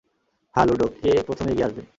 হা, ludo, কে প্রথমে এগিয়ে আসবে?